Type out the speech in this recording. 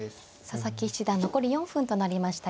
佐々木七段残り４分となりました。